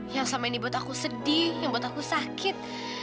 yang selama ini buat aku sedih yang buat aku sakit